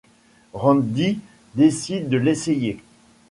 Randy décide de l'essayer.